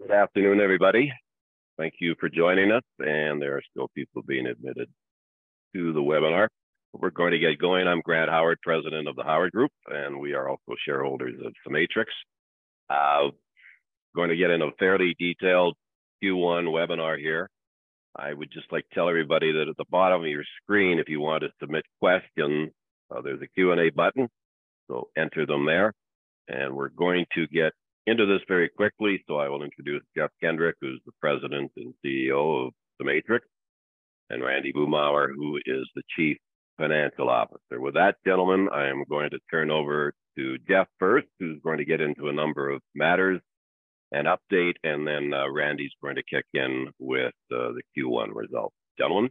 Good afternoon, everybody. Thank you for joining us, and there are still people being admitted to the webinar. We're going to get going. I'm Grant Howard, President of The Howard Group, and we are also shareholders of CEMATRIX. Going to get into a fairly detailed Q1 webinar here. I would just like tell everybody that at the bottom of your screen, if you want to submit questions, there's a Q&A button, so enter them there. We're going to get into this very quickly. I will introduce Jeff Kendrick, who's the President and CEO of CEMATRIX, and Randy Boomhour, who is the Chief Financial Officer. With that, gentlemen, I am going to turn over to Jeff first, who's going to get into a number of matters and update, and then Randy's going to kick in with the Q1 results. Gentlemen.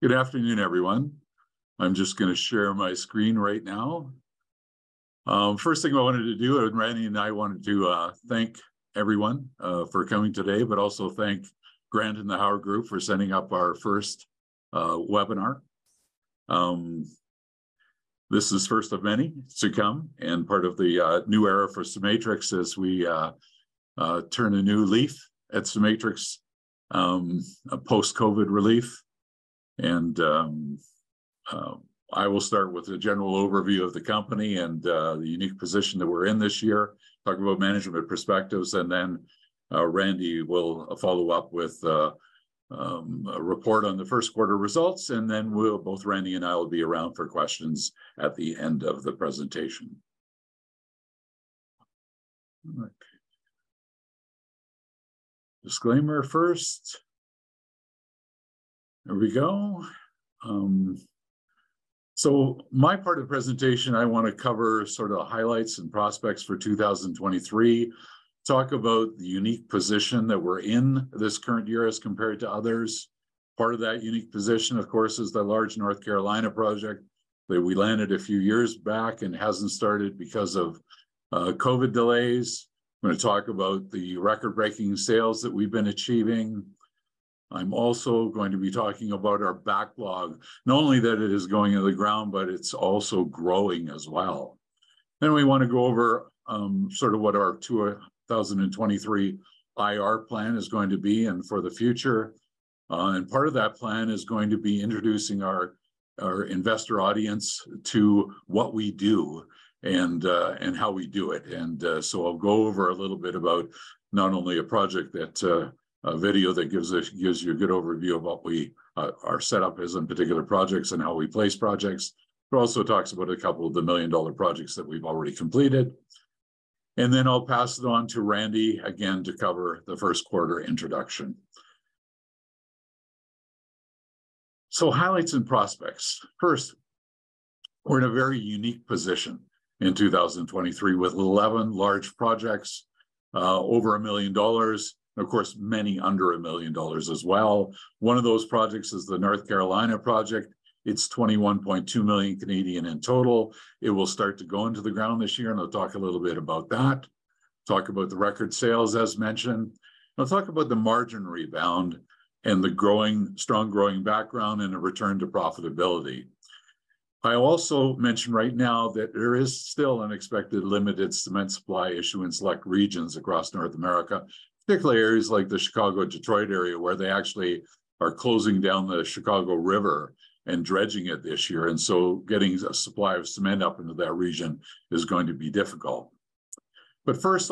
Good afternoon, everyone. I'm just gonna share my screen right now. First thing I wanted to do, and Randy and I wanted to thank everyone for coming today, but also thank Grant and The Howard Group for setting up our first webinar. This is first of many to come, and part of the new era for CEMATRIX as we turn a new leaf at CEMATRIX, post-COVID relief. I will start with a general overview of the company and the unique position that we're in this year, talk about management perspectives, and then Randy will follow up with a report on the first quarter results, and then both Randy and I will be around for questions at the end of the presentation. Disclaimer first. There we go. My part of the presentation, I wanna cover sort of highlights and prospects for 2023, talk about the unique position that we're in this current year as compared to others. Part of that unique position, of course, is the large North Carolina project that we landed a few years back and hasn't started because of COVID delays. I'm gonna talk about the record-breaking sales that we've been achieving. I'm also going to be talking about our backlog. Not only that it is going into the ground, but it's also growing as well. We wanna go over sort of what our 2023 IR plan is going to be and for the future. Part of that plan is going to be introducing our investor audience to what we do and how we do it. I'll go over a little bit about not only a project that, a video that gives you a good overview of what we, our setup is in particular projects and how we place projects. It also talks about a couple of the million-dollar projects that we've already completed. I'll pass it on to Randy again to cover the first quarter introduction. Highlights and prospects. First, we're in a very unique position in 2023 with 11 large projects, over 1 million dollars, of course, many under 1 million dollars as well. One of those projects is the North Carolina project. It's 21.2 million in total. It will start to go into the ground this year, and I'll talk a little bit about that. Talk about the record sales, as mentioned. I'll talk about the margin rebound and the strong growing background and a return to profitability. I also mentioned right now that there is still unexpected limited cement supply issue in select regions across North America, particularly areas like the Chicago-Detroit area, where they actually are closing down the Chicago River and dredging it this year. So getting a supply of cement up into that region is going to be difficult. First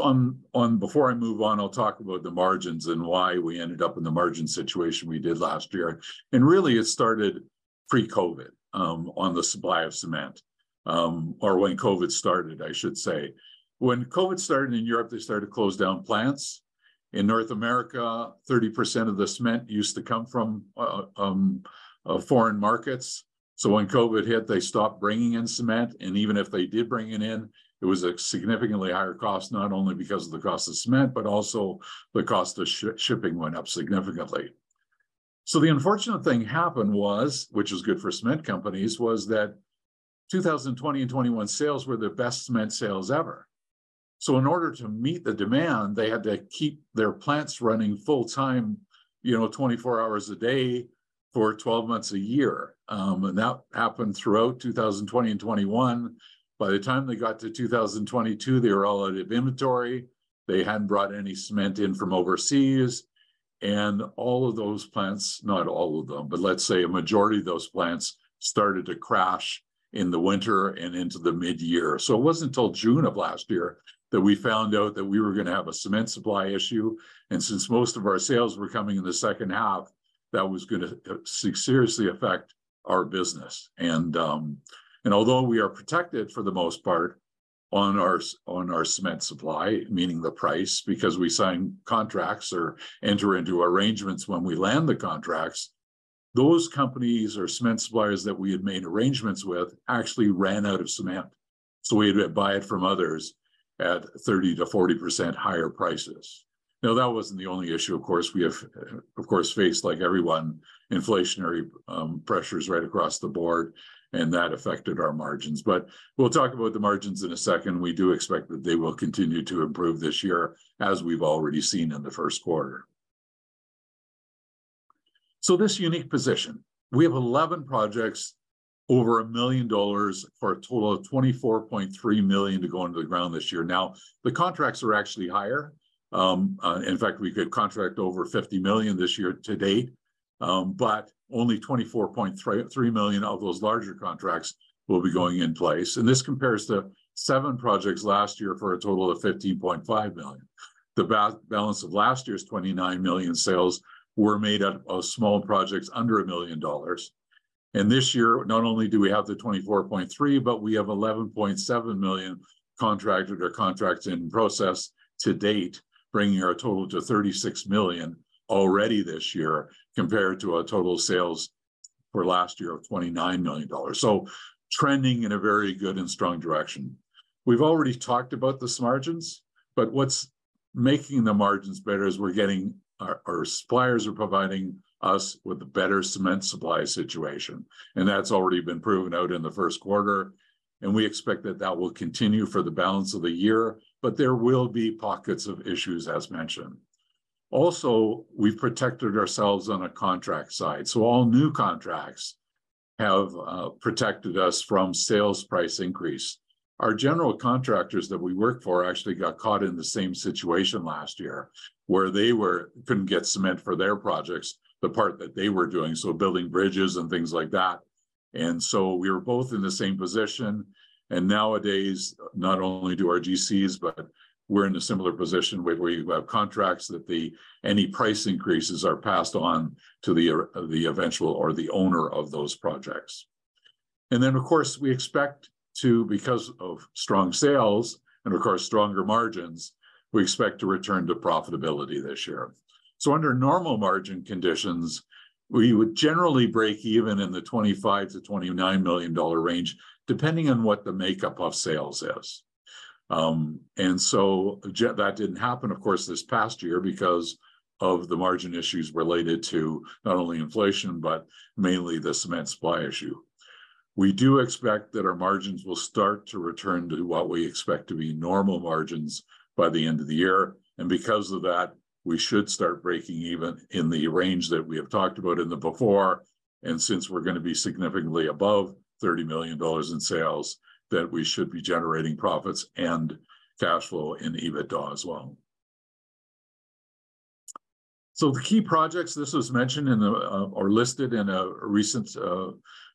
before I move on, I'll talk about the margins and why we ended up in the margin situation we did last year. Really it started pre-COVID, on the supply of cement, or when COVID started, I should say. When COVID started in Europe, they started to close down plants. In North America, 30% of the cement used to come from foreign markets. When COVID hit, they stopped bringing in cement, and even if they did bring it in, it was a significantly higher cost, not only because of the cost of cement, but also the cost of shipping went up significantly. The unfortunate thing happened was, which was good for cement companies, was that 2020 and 2021 sales were the best cement sales ever. In order to meet the demand, they had to keep their plants running full-time, you know, 24 hours a day for 12 months a year. And that happened throughout 2020 and 2021. By the time they got to 2022, they were all out of inventory. They hadn't brought any cement in from overseas. All of those plants, not all of them, but let's say a majority of those plants, started to crash in the winter and into the mid-year. It wasn't until June of last year that we found out that we were gonna have a cement supply issue. Since most of our sales were coming in the second half, that was gonna seriously affect our business. Although we are protected for the most part on our cement supply, meaning the price, because we sign contracts or enter into arrangements when we land the contracts, those companies or cement suppliers that we had made arrangements with actually ran out of cement. We had to buy it from others at 30%-40% higher prices. Now, that wasn't the only issue, of course. We have, of course, faced, like everyone, inflationary pressures right across the board, and that affected our margins. We'll talk about the margins in a second. We do expect that they will continue to improve this year, as we've already seen in the first quarter. This unique position, we have 11 projects over 1 million dollars for a total of 24.3 million to go into the ground this year. Now, the contracts are actually higher. In fact, we could contract over 50 million this year to date, but only 24.3 million of those larger contracts will be going in place. This compares to seven projects last year for a total of 15.5 million. The balance of last year's 29 million sales were made out of small projects under 1 million dollars. This year, not only do we have the 24.3 million, but we have 11.7 million contracted or contracts in process to date, bringing our total to 36 million already this year compared to our total sales for last year of 29 million dollars. Trending in a very good and strong direction. We've already talked about these margins, but what's making the margins better is we're getting, our suppliers are providing us with a better cement supply situation, and that's already been proven out in the first quarter, and we expect that that will continue for the balance of the year, but there will be pockets of issues, as mentioned. We've protected ourselves on a contract side. All new contracts have protected us from sales price increase. Our general contractors that we work for actually got caught in the same situation last year where they couldn't get cement for their projects, the part that they were doing, so building bridges and things like that. We were both in the same position. Nowadays, not only do our GCs, but we're in a similar position where you have contracts that the any price increases are passed on to the eventual or the owner of those projects. Of course, we expect to, because of strong sales and, of course, stronger margins, we expect to return to profitability this year. Under normal margin conditions, we would generally break even in the 25 million-29 million dollar range, depending on what the makeup of sales is. That didn't happen, of course, this past year because of the margin issues related to not only inflation, but mainly the cement supply issue. We do expect that our margins will start to return to what we expect to be normal margins by the end of the year. Because of that, we should start breaking even in the range that we have talked about in the before. Since we're gonna be significantly above 30 million dollars in sales, that we should be generating profits and cash flow in EBITDA as well. The key projects, this was mentioned in a or listed in a recent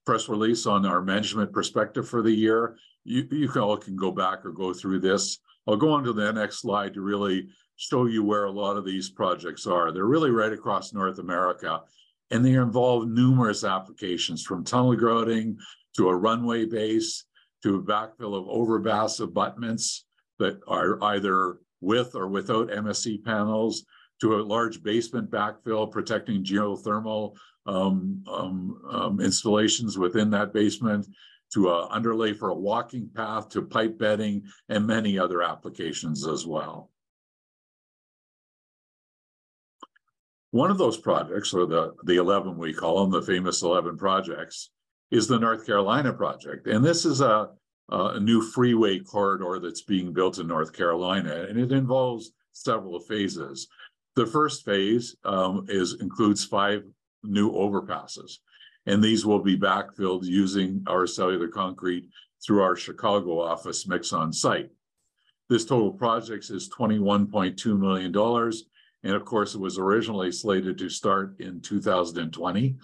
press release on our management perspective for the year. You all can go back or go through this. I'll go on to the next slide to really show you where a lot of these projects are. They're really right across North America. They involve numerous applications from tunnel grouting to a runway base to a backfill of overpass abutments that are either with or without MSE panels to a large basement backfill protecting geothermal installations within that basement to a underlay for a walking path to pipe bedding and many other applications as well. One of those projects, or the 11 we call them, the famous 11 projects, is the North Carolina project. This is a new freeway corridor that's being built in North Carolina, and it involves several phases. The first phase is includes five new overpasses. These will be backfilled using our cellular concrete through our Chicago office mix on-site. This total project is 21.2 million dollars. Of course, it was originally slated to start in 2020.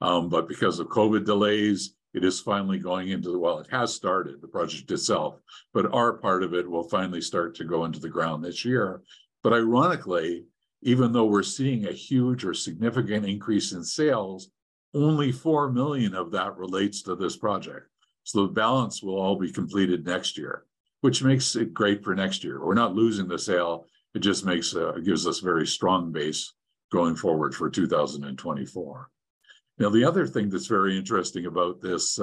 Because of COVID delays, it is finally going into the. Well, it has started, the project itself, but our part of it will finally start to go into the ground this year. Ironically, even though we're seeing a huge or significant increase in sales, only 4 million of that relates to this project. The balance will all be completed next year, which makes it great for next year. We're not losing the sale. It just makes, it gives us very strong base going forward for 2024. The other thing that's very interesting about this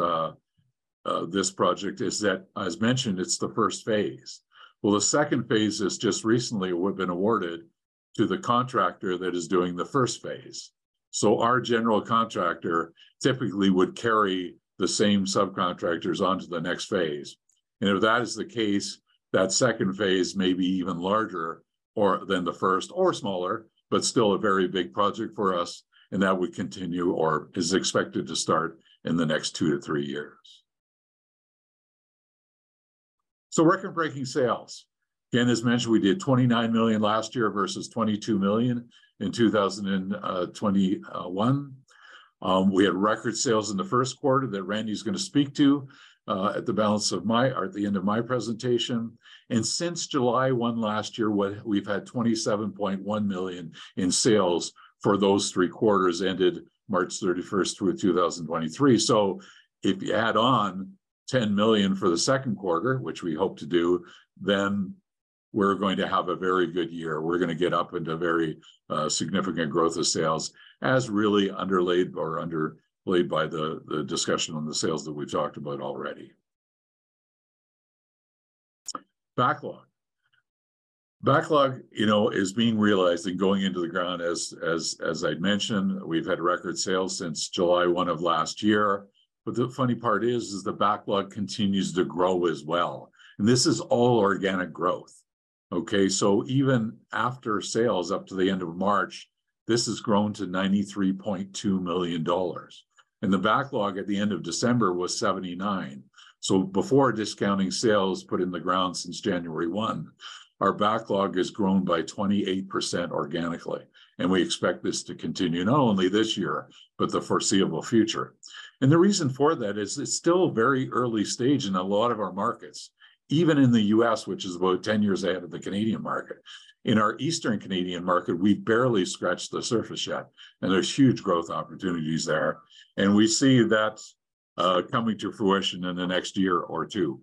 project is that, as mentioned, it's the first phase. Well, the second phase has just recently been awarded to the contractor that is doing the first phase. Our general contractor typically would carry the same subcontractors on to the next phase. If that is the case, that second phase may be even larger or than the first or smaller, but still a very big project for us, and that would continue or is expected to start in the next two to three years. Record-breaking sales. Again, as mentioned, we did 29 million last year versus 22 million in 2021. We had record sales in the first quarter that Randy's gonna speak to at the balance of my or the end of my presentation. Since July 1 last year, we've had 27.1 million in sales for those three quarters ended March 31st through 2023. If you add on 10 million for the second quarter, which we hope to do, then we're going to have a very good year. We're gonna get up into very significant growth of sales as really underlaid by the discussion on the sales that we've talked about already. Backlog, you know, is being realized and going into the ground as I'd mentioned. We've had record sales since July 1 of last year. The funny part is the backlog continues to grow as well. This is all organic growth. Even after sales up to the end of March, this has grown to 93.2 million dollars. The backlog at the end of December was 79 million. Before discounting sales put in the ground since January 1, our backlog has grown by 28% organically, and we expect this to continue not only this year, but the foreseeable future. The reason for that is it's still very early stage in a lot of our markets, even in the U.S., which is about 10 years ahead of the Canadian market. In our eastern Canadian market, we've barely scratched the surface yet, there's huge growth opportunities there. We see that coming to fruition in the next year or two.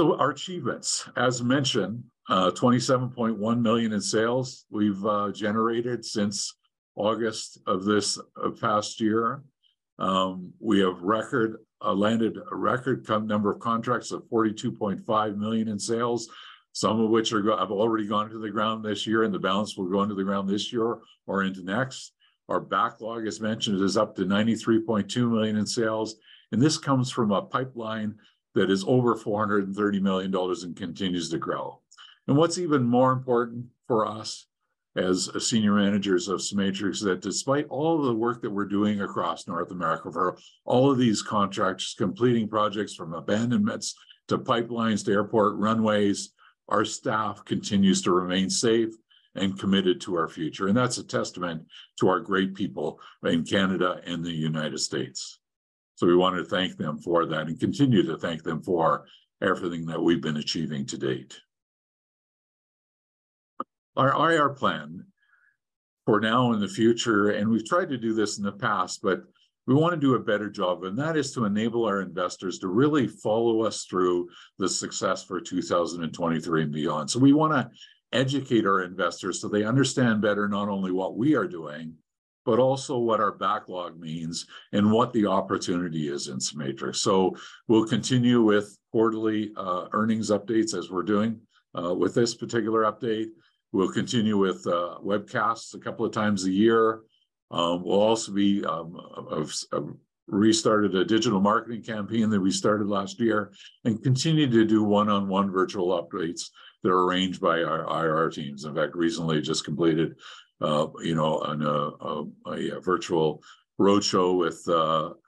Our achievements, as mentioned, 27.1 million in sales we've generated since August of this past year. We have landed a record number of contracts of 42.5 million in sales, some of which have already gone into the ground this year, and the balance will go into the ground this year or into next. Our backlog, as mentioned, is up to 93.2 million in sales, and this comes from a pipeline that is over 430 million dollars and continues to grow. What's even more important for us as senior managers of CEMATRIX is that despite all the work that we're doing across North America, for all of these contracts, completing projects from abandonments to pipelines to airport runways, our staff continues to remain safe and committed to our future. That's a testament to our great people in Canada and the United States. We want to thank them for that and continue to thank them for everything that we've been achieving to date. Our IR plan for now and the future. We've tried to do this in the past, but we wanna do a better job, and that is to enable our investors to really follow us through the success for 2023 and beyond. We wanna educate our investors so they understand better not only what we are doing, but also what our backlog means and what the opportunity is in CEMATRIX. We'll continue with quarterly earnings updates as we're doing with this particular update. We'll continue with webcasts a couple of times a year. We'll also be restarted a digital marketing campaign that we started last year and continue to do one-on-one virtual updates that are arranged by our IR teams. In fact, recently just completed, you know, on a virtual roadshow with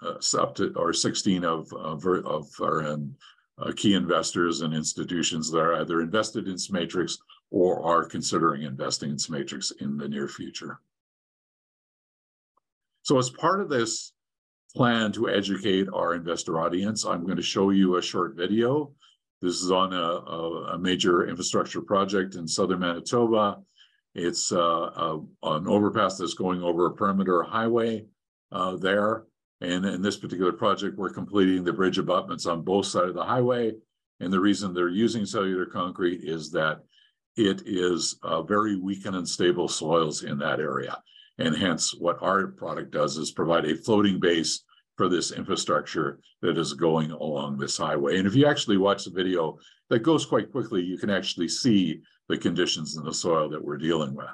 up to 16 of our key investors and institutions that are either invested in CEMATRIX or are considering investing in CEMATRIX in the near future. As part of this plan to educate our investor audience, I'm gonna show you a short video. This is on a major infrastructure project in southern Manitoba. It's an overpass that's going over a perimeter highway there. In this particular project, we're completing the bridge abutments on both sides of the highway. The reason they're using cellular concrete is that it is very weak and unstable soils in that area. Hence, what our product does is provide a floating base for this infrastructure that is going along this highway. If you actually watch the video, that goes quite quickly, you can actually see the conditions in the soil that we're dealing with.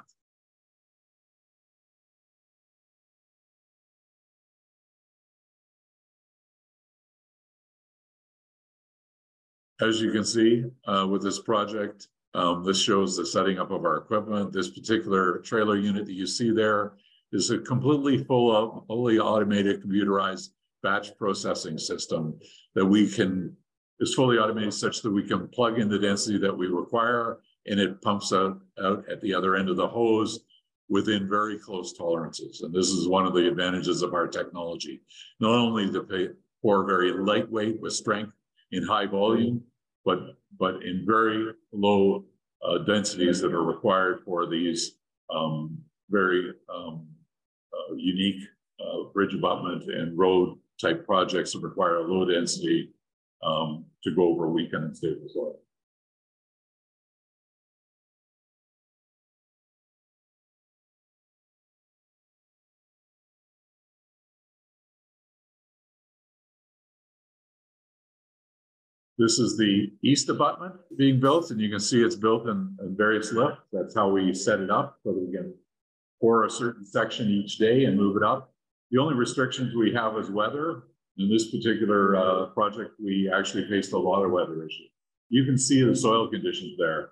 As you can see, with this project, this shows the setting up of our equipment. This particular trailer unit that you see there is a completely full, fully automated computerized batch processing system that is fully automated such that we can plug in the density that we require, and it pumps out at the other end of the hose within very close tolerances. This is one of the advantages of our technology. Not only that they pour very lightweight with strength in high volume, but in very low densities that are required for these very unique bridge abutment and road type projects that require a low density to go over a weak and unstable soil. This is the east abutment being built, and you can see it's built in various lifts. That's how we set it up, so we can pour a certain section each day and move it up. The only restrictions we have is weather. In this particular project, we actually faced a lot of weather issues. You can see the soil conditions there.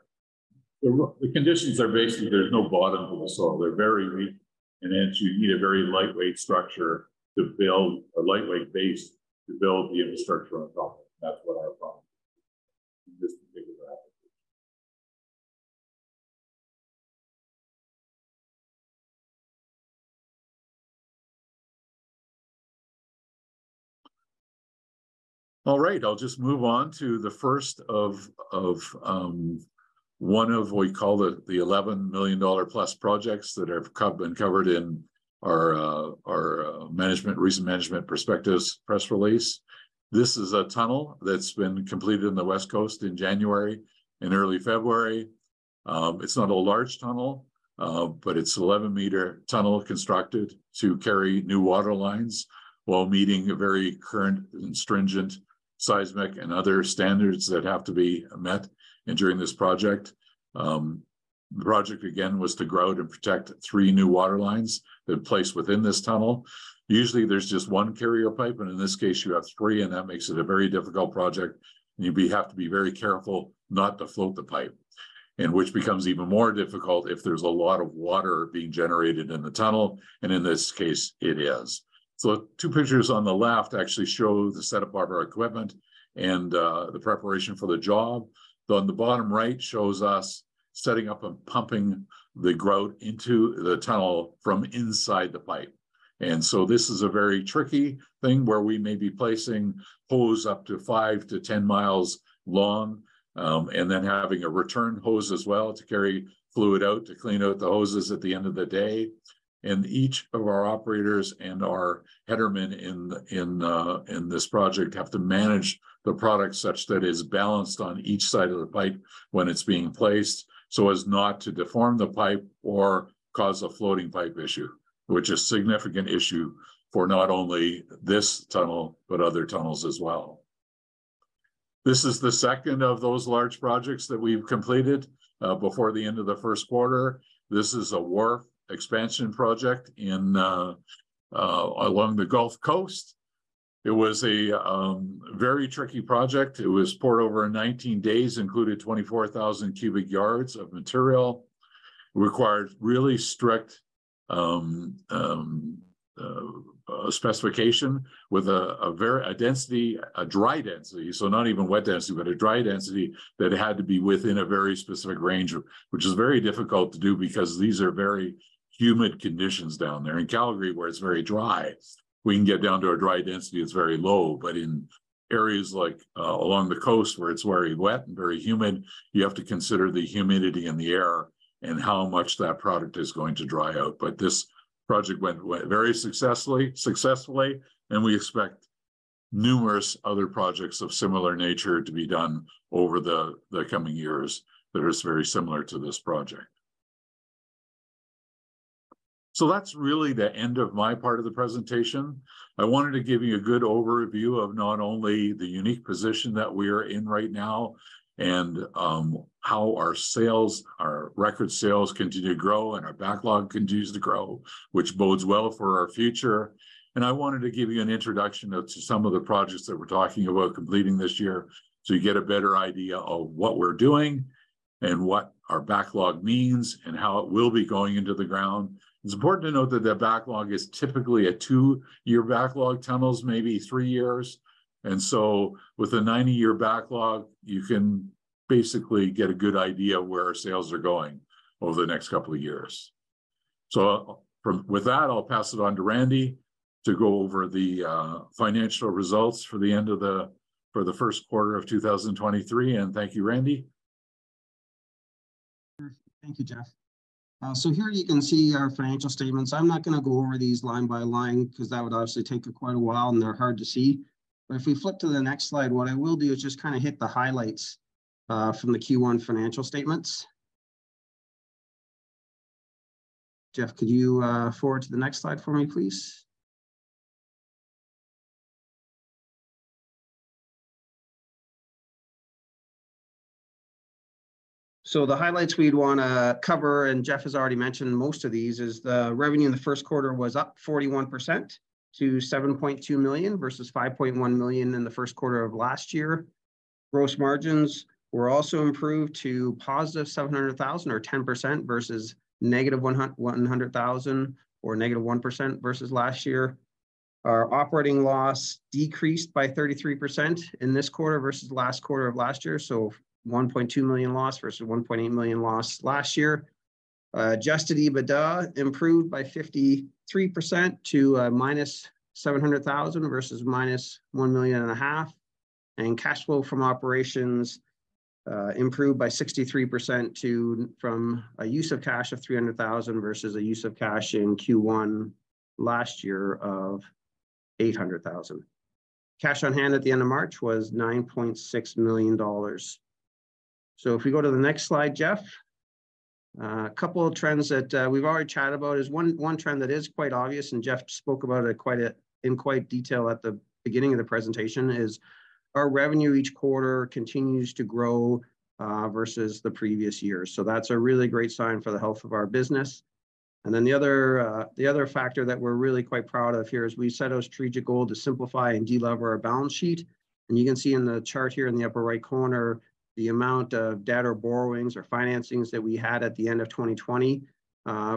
The conditions are basically there's no bottom to the soil. They're very weak. Hence you need a very lightweight structure to build a lightweight base to build the infrastructure on top of it. That's what our problem is in this particular application. All right, I'll just move on to the first of one of we call the 11 million dollar-plus projects that have been covered in our recent management perspectives press release. This is a tunnel that's been completed in the West Coast in January and early February. It's not a large tunnel, but it's 11-meter tunnel constructed to carry new water lines while meeting a very current and stringent seismic and other standards that have to be met. The project, again, was to grout and protect three new water lines that placed within this tunnel. Usually, there's just one carrier pipe, but in this case, you have three, and that makes it a very difficult project. You have to be very careful not to float the pipe, and which becomes even more difficult if there's a lot of water being generated in the tunnel, and in this case it is. Two pictures on the left actually show the setup of our equipment and the preparation for the job. On the bottom right shows us setting up and pumping the grout into the tunnel from inside the pipe. This is a very tricky thing where we may be placing hose up to 5-10 miles long, and then having a return hose as well to carry fluid out, to clean out the hoses at the end of the day. Each of our operators and our Headermen in this project have to manage the product such that it's balanced on each side of the pipe when it's being placed so as not to deform the pipe or cause a floating pipe issue, which is significant issue for not only this tunnel, but other tunnels as well. This is the second of those large projects that we've completed before the end of the first quarter. This is a wharf expansion project in, along the Gulf Coast. It was a very tricky project. It was poured over 19 days, included 24,000 cubic yards of material. Required really strict specification with a very... a density, a dry density, so not even wet density, but a dry density that had to be within a very specific range of. which is very difficult to do because these are very humid conditions down there. In Calgary, where it's very dry, we can get down to a dry density that's very low. In areas like along the coast where it's very wet and very humid, you have to consider the humidity in the air and how much that product is going to dry out. This project went very successfully, and we expect numerous other projects of similar nature to be done over the coming years that is very similar to this project. That's really the end of my part of the presentation. I wanted to give you a good overview of not only the unique position that we are in right now and how our sales, our record sales continue to grow and our backlog continues to grow, which bodes well for our future. I wanted to give you an introduction to some of the projects that we're talking about completing this year so you get a better idea of what we're doing and what our backlog means and how it will be going into the ground. It's important to note that the backlog is typically a two-year backlog, tunnels maybe three years. With a 90-year backlog, you can basically get a good idea of where our sales are going over the next couple of years. With that, I'll pass it on to Randy to go over the financial results for the first quarter of 2023. Thank you, Randy. Thank you, Jeff. Here you can see our financial statements. I'm not gonna go over these line by line 'cause that would obviously take quite a while, and they're hard to see. If we flip to the next slide, what I will do is just kinda hit the highlights from the Q1 financial statements. Jeff, could you forward to the next slide for me, please? The highlights we'd wanna cover, and Jeff has already mentioned most of these, is the revenue in the first quarter was up 41% to 7.2 million, versus 5.1 million in the first quarter of last year. Gross margins were also improved to positive 700,000 or 10%, versus negative 100,000 or negative 1% versus last year. Our operating loss decreased by 33% in this quarter versus last quarter of last year, 1.2 million loss versus 1.8 million loss last year. Adjusted EBITDA improved by 53% to -700,000 versus -1.5 million. Cash flow from operations improved by 63% to, from a use of cash of 300,000 versus a use of cash in Q1 last year of 800,000. Cash on hand at the end of March was 9.6 million dollars. If we go to the next slide, Jeff. A couple of trends that we've already chatted about is one trend that is quite obvious, and Jeff spoke about it quite in quite detail at the beginning of the presentation, is our revenue each quarter continues to grow versus the previous year. That's a really great sign for the health of our business. The other factor that we're really quite proud of here is we set a strategic goal to simplify and delever our balance sheet. You can see in the chart here in the upper right corner the amount of debt or borrowings or financings that we had at the end of 2020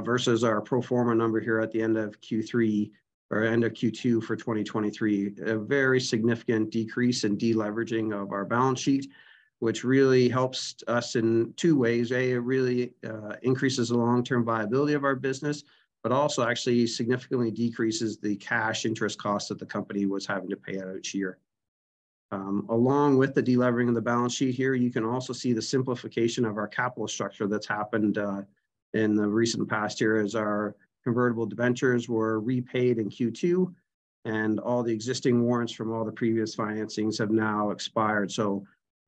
versus our pro forma number here at the end of Q3 or end of Q2 for 2023. A very significant decrease in deleveraging of our balance sheet, which really helps us in two ways. A, it really increases the long-term viability of our business, but also actually significantly decreases the cash interest cost that the company was having to pay out each year. Along with the delevering of the balance sheet here, you can also see the simplification of our capital structure that's happened in the recent past year as our convertible debentures were repaid in Q2, and all the existing warrants from all the previous financings have now expired.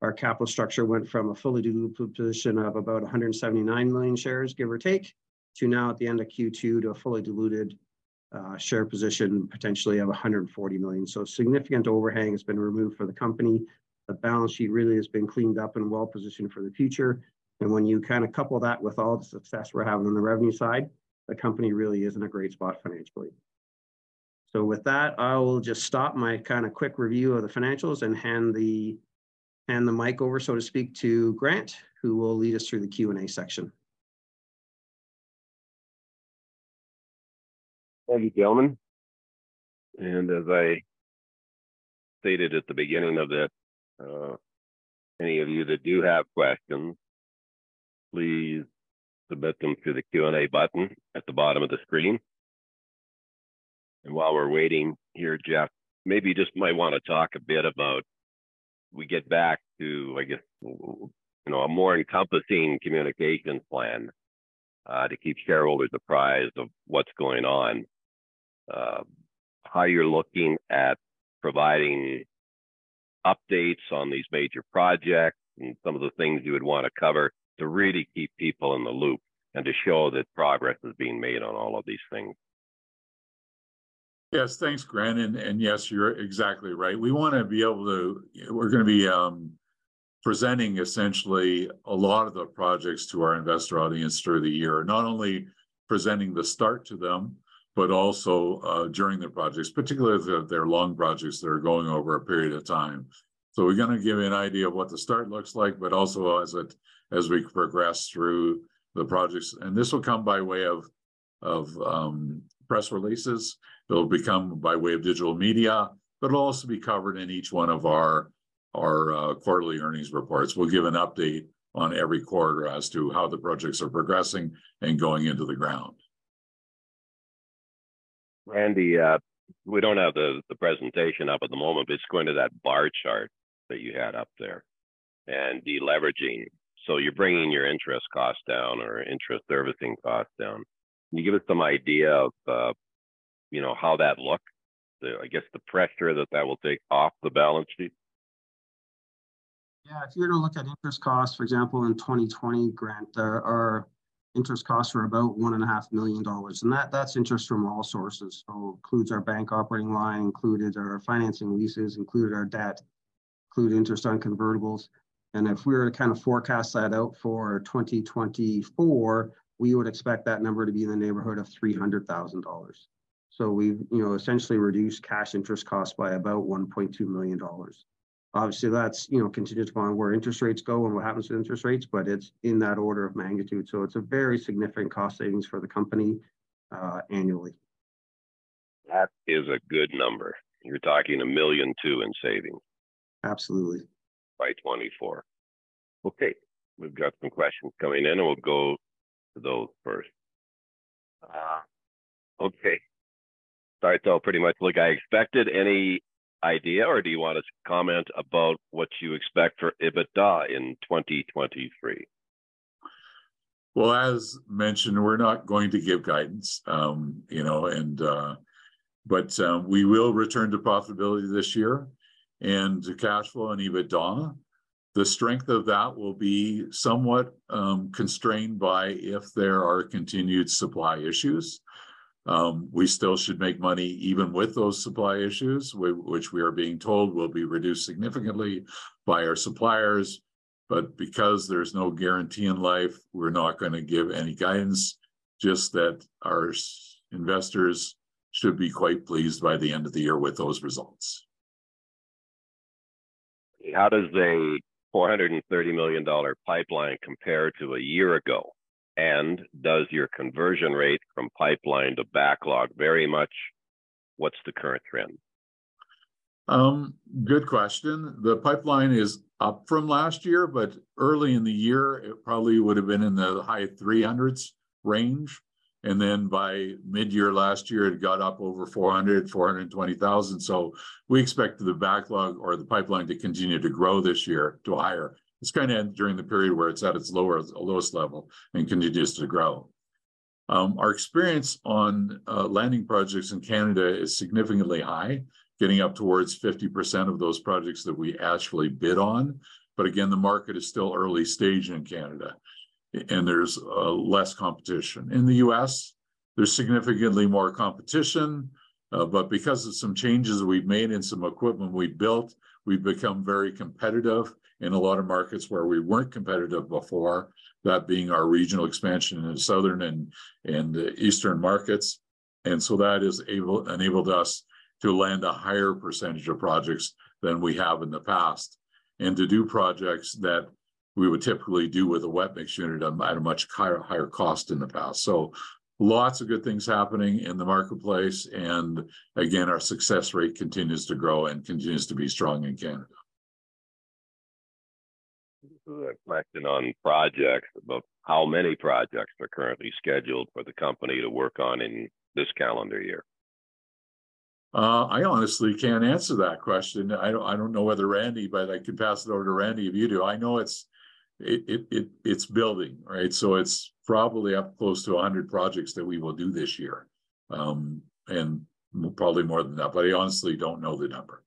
Our capital structure went from a fully diluted position of about 179 million shares, give or take, to now at the end of Q2 to a fully diluted share position potentially of 140 million. Significant overhang has been removed from the company. The balance sheet really has been cleaned up and well positioned for the future. When you kind of couple that with all the success we're having on the revenue side, the company really is in a great spot financially. With that, I will just stop my kind of quick review of the financials and hand the mic over, so to speak, to Grant, who will lead us through the Q&A section. Thank you, gentlemen. As I stated at the beginning of that, any of you that do have questions, please submit them through the Q&A button at the bottom of the screen. While we're waiting here, Jeff, maybe just might wanna talk a bit about we get back to, I guess, you know, a more encompassing communication plan, to keep shareholders apprised of what's going on. How you're looking at providing updates on these major projects and some of the things you would wanna cover to really keep people in the loop and to show that progress is being made on all of these things. Thanks, Grant, and yes, you're exactly right. We're gonna be presenting essentially a lot of the projects to our investor audience through the year. Not only presenting the start to them, but also during the projects, particularly if they're long projects that are going over a period of time. We're gonna give you an idea of what the start looks like, but also as it, as we progress through the projects. This will come by way of press releases, it'll become by way of digital media, but it'll also be covered in each one of our quarterly earnings reports. We'll give an update on every quarter as to how the projects are progressing and going into the ground. Randy, we don't have the presentation up at the moment, but just going to that bar chart that you had up there and de-leveraging. You're bringing your interest costs down or interest servicing costs down. Can you give us some idea of, you know, how that looks? The, I guess, the pressure that that will take off the balance sheet? Yeah. If you're to look at interest costs, for example, in 2020, Grant, our interest costs were about 1.5 million dollars, and that's interest from all sources. Includes our bank operating line, included our financing leases, included our debt, include interest on convertibles. If we were to kind of forecast that out for 2024, we would expect that number to be in the neighborhood of 300,000 dollars. We've, you know, essentially reduced cash interest costs by about 1.2 million dollars. Obviously, that's, you know, contingent upon where interest rates go and what happens to interest rates, but it's in that order of magnitude. It's a very significant cost savings for the company, annually. That is a good number. You're talking 1.2 million in savings. Absolutely. By 2024. Okay, we've got some questions coming in, and we'll go to those first. Okay. Starts out pretty much like I expected. Any idea or do you want to comment about what you expect for EBITDA in 2023? Well, as mentioned, we're not going to give guidance, you know, we will return to profitability this year and to cash flow and EBITDA. The strength of that will be somewhat constrained by if there are continued supply issues. We still should make money even with those supply issues, which we are being told will be reduced significantly by our suppliers. Because there's no guarantee in life, we're not gonna give any guidance, just that our investors should be quite pleased by the end of the year with those results. How does a 430 million dollar pipeline compare to a year ago? Does your conversion rate from pipeline to backlog vary much? What's the current trend? Good question. The pipeline is up from last year, early in the year, it probably would've been in the high CAD 300,000s range, and then by mid-year last year, it got up over 420,000. We expect the backlog or the pipeline to continue to grow this year to higher. It's kinda during the period where it's at its lowest level and continues to grow. Our experience on landing projects in Canada is significantly high, getting up towards 50% of those projects that we actually bid on. Again, the market is still early stage in Canada and there's less competition. In the U.S., there's significantly more competition, because of some changes we've made and some equipment we've built, we've become very competitive in a lot of markets where we weren't competitive before, that being our regional expansion in the southern and the eastern markets. That has enabled us to land a higher % of projects than we have in the past, and to do projects that we would typically do with a wet mix unit done by a much higher cost in the past. Lots of good things happening in the marketplace, and again, our success rate continues to grow and continues to be strong in Canada. Reflecting on projects, about how many projects are currently scheduled for the company to work on in this calendar year? I honestly can't answer that question. I don't know whether Randy, but I can pass it over to Randy if you do. I know it's building, right? It's probably up close to 100 projects that we will do this year, and probably more than that, but I honestly don't know the number.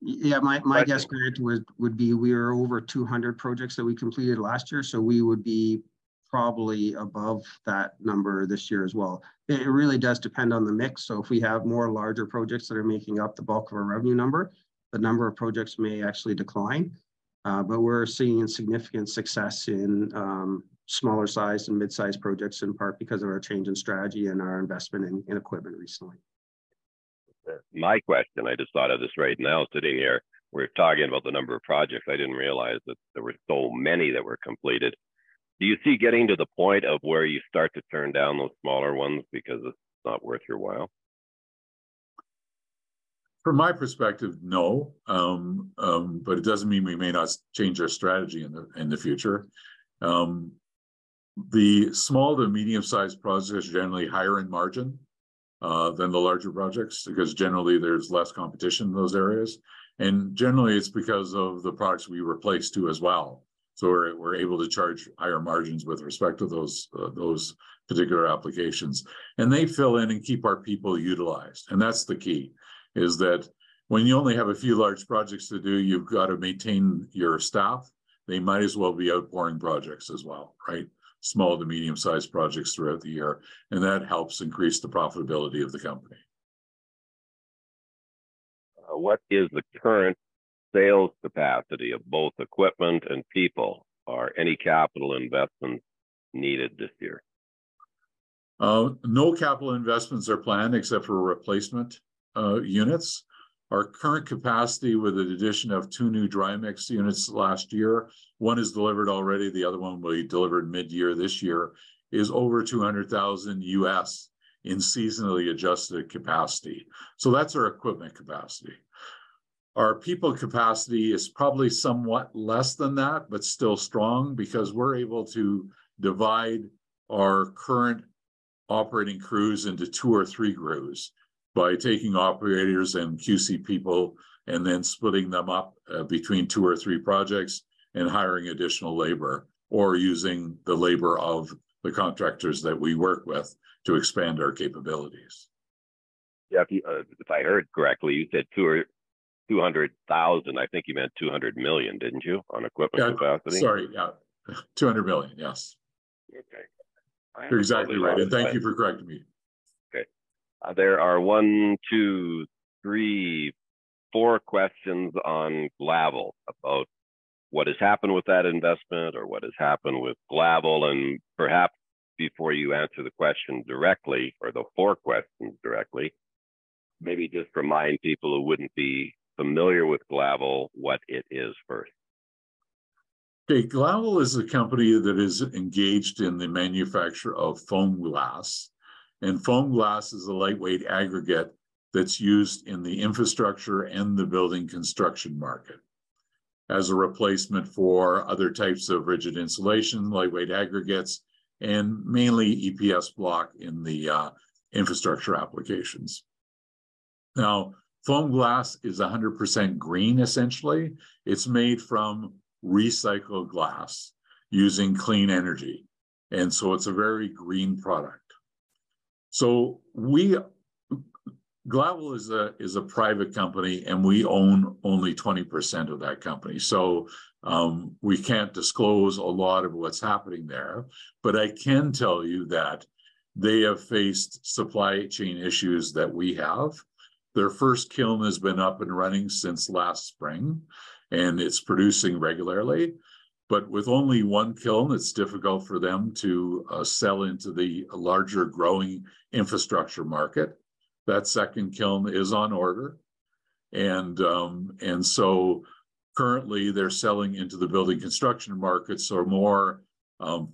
Yeah, my guess, Grant, would be we're over 200 projects that we completed last year. We would be probably above that number this year as well. It really does depend on the mix. If we have more larger projects that are making up the bulk of our revenue number, the number of projects may actually decline. We're seeing significant success in smaller size and mid-size projects, in part because of our change in strategy and our investment in equipment recently. My question, I just thought of this right now sitting here, we're talking about the number of projects. I didn't realize that there were so many that were completed. Do you see getting to the point of where you start to turn down those smaller ones because it's not worth your while? From my perspective, no. It doesn't mean we may not change our strategy in the future. The small to medium sized projects are generally higher in margin than the larger projects because generally there's less competition in those areas. Generally it's because of the products we replace too as well. We're able to charge higher margins with respect to those particular applications. They fill in and keep our people utilized, and that's the key, is that when you only have a few large projects to do, you've got to maintain your staff. They might as well be outpouring projects as well, right? Small to medium sized projects throughout the year. That helps increase the profitability of the company. What is the current sales capacity of both equipment and people? Are any capital investments needed this year? No capital investments are planned except for replacement units. Our current capacity with an addition of two new dry mix units last year, one is delivered already, the other one will be delivered mid-year this year, is over $200,000 in seasonally adjusted capacity. That's our equipment capacity. Our people capacity is probably somewhat less than that, but still strong because we're able to divide our current operating crews into two or three groups by taking operators and QC people and then splitting them up between two or three projects and hiring additional labor, or using the labor of the contractors that we work with to expand our capabilities. Yeah, if I heard correctly, you said two or 200,000. I think you meant 200 million, didn't you, on equipment capacity? Yeah. Sorry, yeah. 200 million, yes. Okay. You're exactly right, and thank you for correcting me. Okay. There are one, two, three, four questions on Glavel about what has happened with that investment or what has happened with Glavel. Perhaps before you answer the question directly, or the four questions directly, maybe just remind people who wouldn't be familiar with Glavel what it is first. Okay. Glavel is a company that is engaged in the manufacture of foam glass. Foam glass is a lightweight aggregate that's used in the infrastructure and the building construction market as a replacement for other types of rigid insulation, lightweight aggregates, and mainly EPS block in the infrastructure applications. Now, foam glass is 100% green essentially. It's made from recycled glass using clean energy, and so it's a very green product. Glavel is a private company, and we own only 20% of that company. We can't disclose a lot of what's happening there. I can tell you that they have faced supply chain issues that we have. Their first kiln has been up and running since last spring, and it's producing regularly. With only one kiln, it's difficult for them to sell into the larger growing infrastructure market. That second kiln is on order. Currently they're selling into the building construction markets are more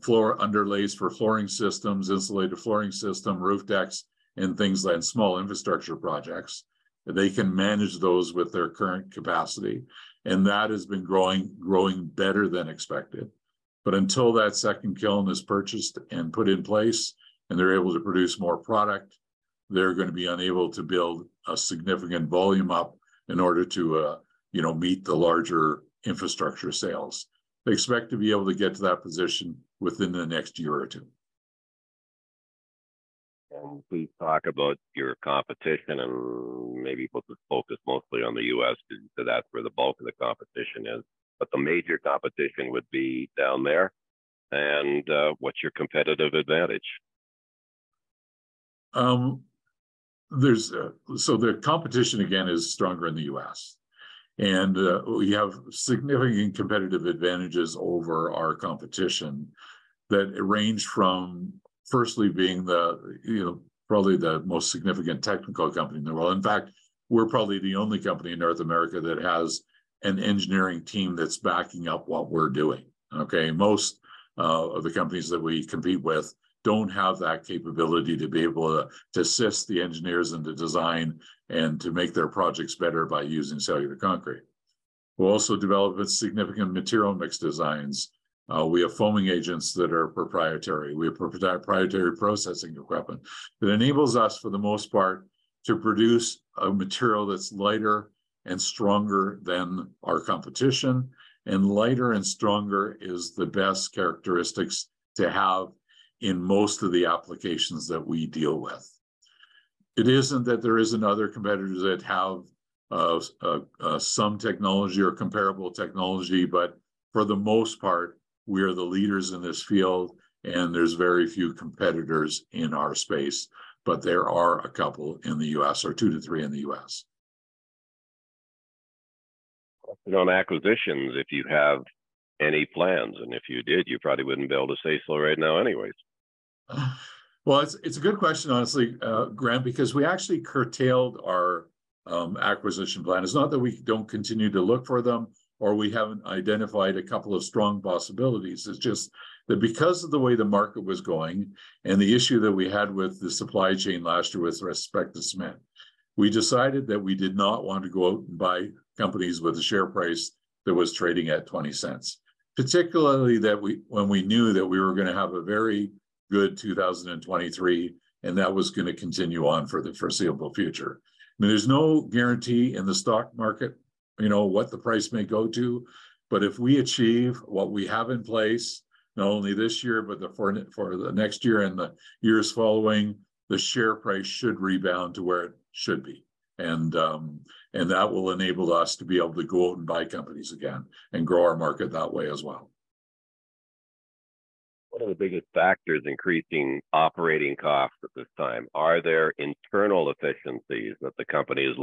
floor underlays for flooring systems, insulated flooring system, roof decks, and things like small infrastructure projects. They can manage those with their current capacity. That has been growing better than expected. Until that second kiln is purchased and put in place and they're able to produce more product, they're gonna be unable to build a significant volume up in order to, you know, meet the larger infrastructure sales. They expect to be able to get to that position within the next year or two. Can you please talk about your competition and maybe we'll just focus mostly on the U.S. since that's where the bulk of the competition is. The major competition would be down there and what's your competitive advantage? The competition again is stronger in the U.S. We have significant competitive advantages over our competition that range from firstly being the, you know, probably the most significant technical company in the world. In fact, we're probably the only company in North America that has an engineering team that's backing up what we're doing. Okay? Most of the companies that we compete with don't have that capability to be able to assist the engineers in the design and to make their projects better by using cellular concrete. We're also developing significant material mix designs. We have foaming agents that are proprietary. We have proprietary processing equipment that enables us, for the most part, to produce a material that's lighter and stronger than our competition. Lighter and stronger is the best characteristics to have in most of the applications that we deal with. It isn't that there isn't other competitors that have some technology or comparable technology, but for the most part, we're the leaders in this field, and there's very few competitors in our space. There are a couple in the U.S., or two to three in the U.S. On acquisitions, if you have any plans. If you did, you probably wouldn't be able to say so right now anyways. It's a good question, honestly, Grant, because we actually curtailed our acquisition plan. It's not that we don't continue to look for them, or we haven't identified a couple of strong possibilities. It's just that because of the way the market was going and the issue that we had with the supply chain last year with respect to cement, we decided that we did not want to go out and buy companies with a share price that was trading at 0.20, particularly that we, when we knew that we were gonna have a very good 2023, and that was gonna continue on for the foreseeable future. I mean, there's no guarantee in the stock market, you know, what the price may go to. If we achieve what we have in place, not only this year but for the next year and the years following, the share price should rebound to where it should be. That will enable us to be able to go out and buy companies again and grow our market that way as well. What are the biggest factors increasing operating costs at this time? Are there internal efficiencies that the company is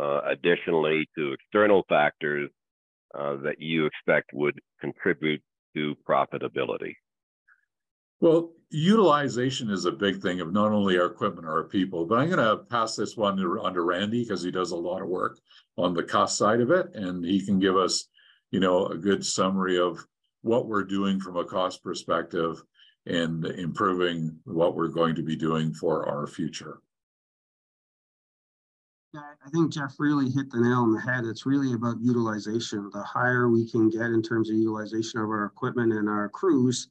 looking into, additionally to external factors that you expect would contribute to profitability? Utilization is a big thing of not only our equipment or our people. I'm gonna pass this one onto Randy 'cause he does a lot of work on the cost side of it, and he can give us, you know, a good summary of what we're doing from a cost perspective in improving what we're going to be doing for our future. Yeah, I think Jeff really hit the nail on the head. It's really about utilization. The higher we can get in terms of utilization of our equipment and our crews,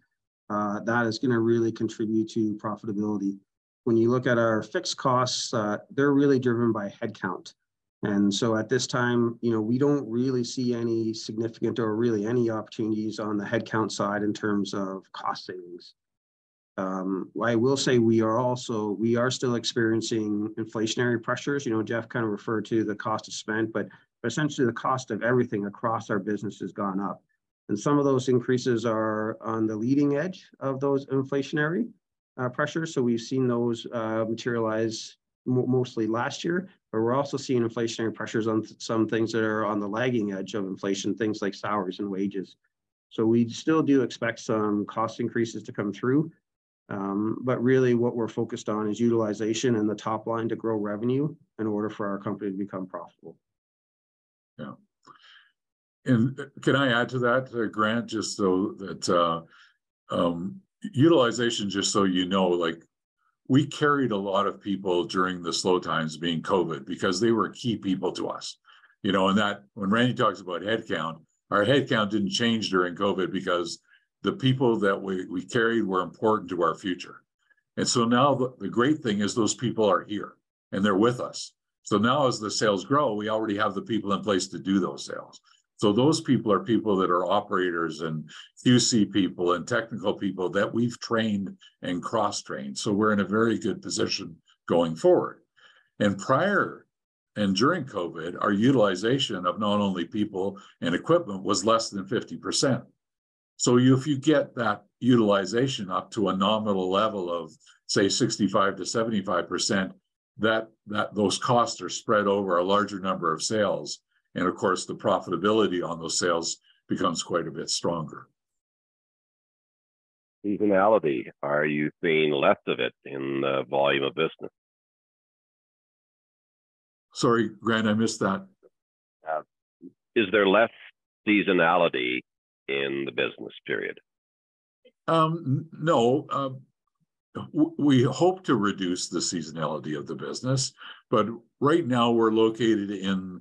that is gonna really contribute to profitability. When you look at our fixed costs, they're really driven by head count. At this time, you know, we don't really see any significant or really any opportunities on the head count side in terms of cost savings. I will say we are also, we are still experiencing inflationary pressures. You know, Jeff kind of referred to the cost of cement. The cost of everything across our business has gone up, and some of those increases are on the leading edge of those inflationary pressures. We've seen those materialize mostly last year. We're also seeing inflationary pressures on some things that are on the lagging edge of inflation, things like salaries and wages. We still do expect some cost increases to come through. Really what we're focused on is utilization and the top line to grow revenue in order for our company to become profitable. Yeah. Can I add to that, Grant? Just so that utilization, just so you know, like we carried a lot of people during the slow times, being COVID, because they were key people to us. You know, when Randy talks about head count, our head count didn't change during COVID because the people that we carried were important to our future. Now the great thing is those people are here, and they're with us. Now as the sales grow, we already have the people in place to do those sales. Those people are people that are operators and QC people and technical people that we've trained and cross-trained. We're in a very good position going forward. Prior and during COVID, our utilization of not only people and equipment was less than 50%. You, if you get that utilization up to a nominal level of, say, 65%-75%, those costs are spread over a larger number of sales. Of course, the profitability on those sales becomes quite a bit stronger. Seasonality, are you seeing less of it in the volume of business? Sorry, Grant, I missed that. Is there less seasonality in the business period? No. We hope to reduce the seasonality of the business, but right now we're located in,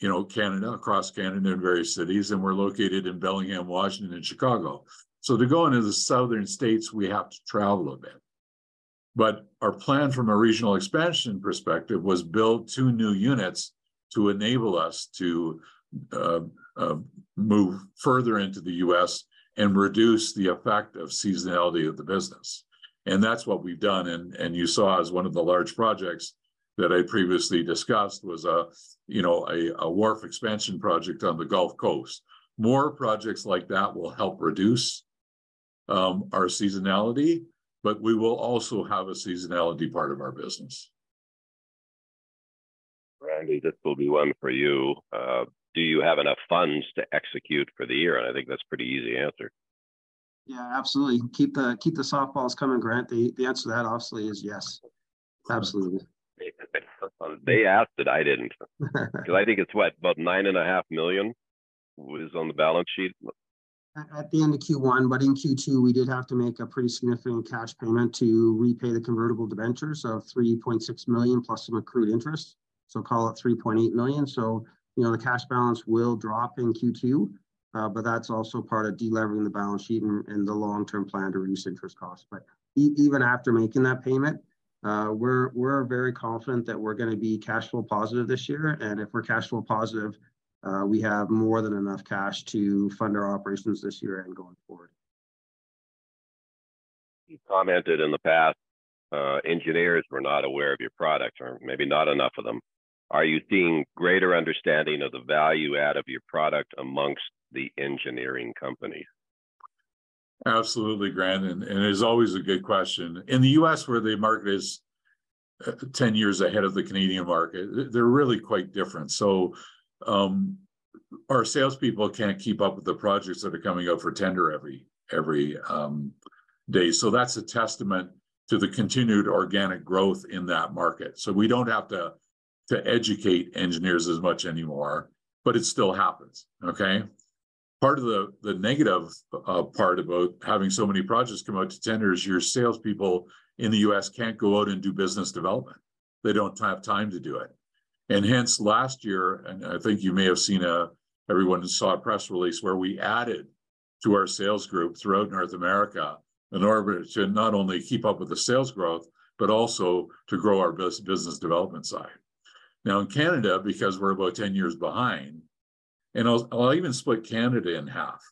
you know, Canada, across Canada in various cities, and we're located in Bellingham, Washington, and Chicago. To go into the southern states, we have to travel a bit. Our plan from a regional expansion perspective was build two new units to enable us to move further into the U.S. and reduce the effect of seasonality of the business. That's what we've done. You saw as one of the large projects that I previously discussed was a, you know, a wharf expansion project on the Gulf Coast. More projects like that will help reduce our seasonality, but we will also have a seasonality part of our business. Randy, this will be one for you. Do you have enough funds to execute for the year? I think that's a pretty easy answer. Yeah, absolutely. Keep the softballs coming, Grant. The answer to that, honestly, is yes. Absolutely. They asked it. I didn't. 'Cause I think it's, what, about 9.5 million was on the balance sheet? At the end of Q1, but in Q2 we did have to make a pretty significant cash payment to repay the convertible debentures of 3.6 million plus some accrued interest. Call it 3.8 million. You know, the cash balance will drop in Q2, but that's also part of delevering the balance sheet and the long-term plan to reduce interest costs. Even after making that payment, we're very confident that we're gonna be cash flow positive this year. If we're cash flow positive, we have more than enough cash to fund our operations this year and going forward. You commented in the past, engineers were not aware of your product or maybe not enough of them. Are you seeing greater understanding of the value add of your product amongst the engineering companies? Absolutely, Grant, it's always a good question. In the U.S. where the market is 10 years ahead of the Canadian market, they're really quite different. Our salespeople can't keep up with the projects that are coming out for tender every day. That's a testament to the continued organic growth in that market. We don't have to educate engineers as much anymore, but it still happens. Okay? Part of the negative part about having so many projects come out to tender is your salespeople in the U.S. can't go out and do business development. They don't have time to do it. Hence last year, and I think you may have seen. everyone who saw a press release where we added to our sales group throughout North America in order to not only keep up with the sales growth, but also to grow our business development side. In Canada, because we're about 10 years behind, and I'll even split Canada in half.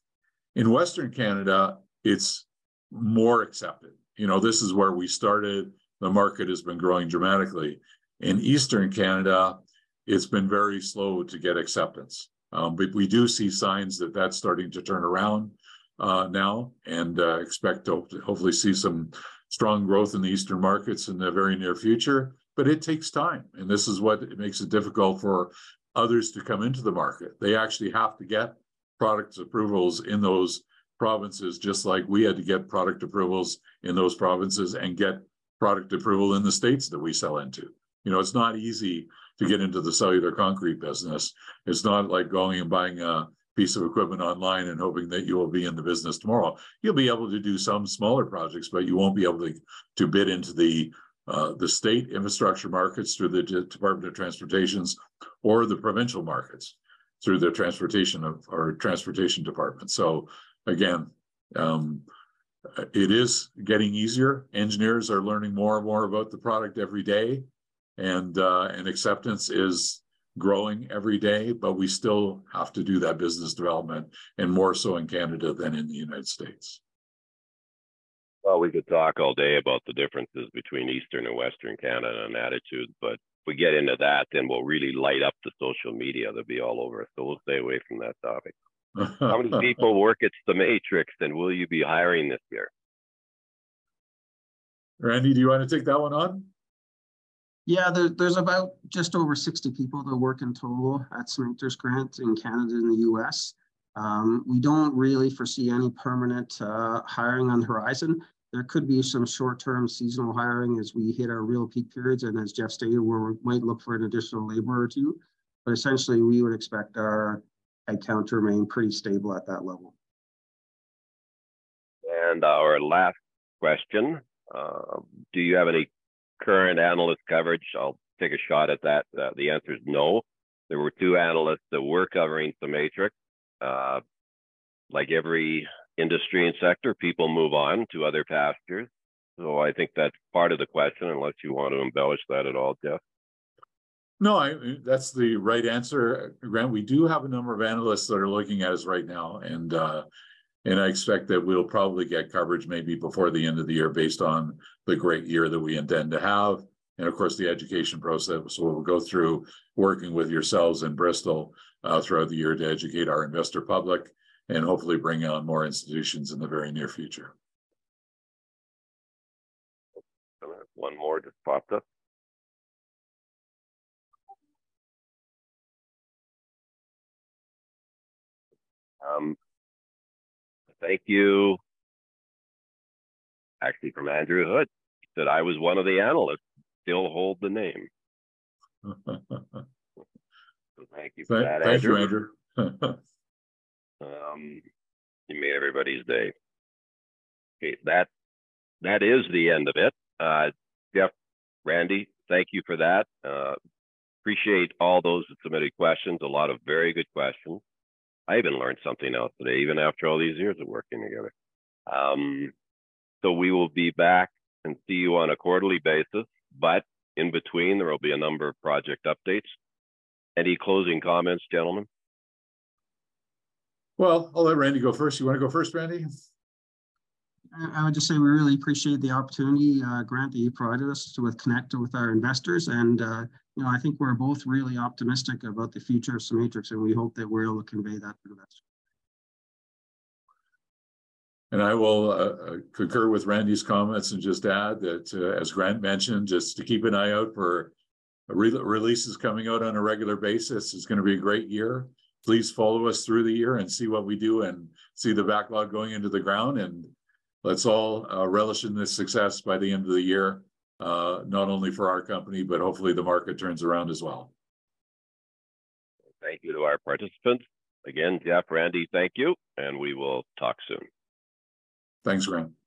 In Western Canada, it's more accepted. You know, this is where we started. The market has been growing dramatically. In Eastern Canada, it's been very slow to get acceptance, We do see signs that that's starting to turn around now and expect to hopefully see some strong growth in the eastern markets in the very near future, but it takes time, and this is what makes it difficult for others to come into the market. They actually have to get products approvals in those provinces, just like we had to get product approvals in those provinces and get product approval in the states that we sell into. You know, it's not easy to get into the cellular concrete business. It's not like going and buying a piece of equipment online and hoping that you will be in the business tomorrow. You'll be able to do some smaller projects, but you won't be able to bid into the state infrastructure markets through the Department of Transportation or the provincial markets through the Department of Transportation. Again, it is getting easier. Engineers are learning more and more about the product every day, and acceptance is growing every day, but we still have to do that business development, and more so in Canada than in the United States. We could talk all day about the differences between Eastern and Western Canada and attitude, but if we get into that, then we'll really light up the social media. They'll be all over it. We'll stay away from that topic. How many people work at CEMATRIX, and will you be hiring this year? Randy, do you wanna take that one on? There's about just over 60 people that work in total at CEMATRIX, Grant, in Canada and the U.S. We don't really foresee any permanent hiring on the horizon. There could be some short-term seasonal hiring as we hit our real peak periods, and as Jeff stated, where we might look for an additional labor or two. Essentially, we would expect our headcount to remain pretty stable at that level. Our last question, do you have any current analyst coverage? I'll take a shot at that. The answer is no. There were two analysts that were covering CEMATRIX. Like every industry and sector, people move on to other pastures. I think that's part of the question, unless you want to embellish that at all, Jeff. No, That's the right answer, Grant. We do have a number of analysts that are looking at us right now, and I expect that we'll probably get coverage maybe before the end of the year based on the great year that we intend to have and, of course, the education process. We'll go through working with yourselves and Bristol throughout the year to educate our investor public and hopefully bring on more institutions in the very near future. One more just popped up. Thank you. From Andre Uddin, that I was one of the analysts. Still hold the name. Thank you for that, Andre. Thank you, Andre Uddin. You made everybody's day. Okay, that is the end of it. Jeff, Randy, thank you for that. Appreciate all those that submitted questions. A lot of very good questions. I even learned something else today, even after all these years of working together. We will be back and see you on a quarterly basis. In between, there will be a number of project updates. Any closing comments, gentlemen? Well, I'll let Randy go first. You wanna go first, Randy? I would just say we really appreciate the opportunity, Grant, that you provided us with connecting with our investors. You know, I think we're both really optimistic about the future of CEMATRIX. We hope that we're able to convey that to investors. I will concur with Randy's comments and just add that, as Grant mentioned, just to keep an eye out for releases coming out on a regular basis. It's gonna be a great year. Please follow us through the year and see what we do and see the backlog going into the ground, and let's all relish in this success by the end of the year, not only for our company, but hopefully the market turns around as well. Thank you to our participants. Again, Jeff, Randy, thank you, and we will talk soon. Thanks, Grant.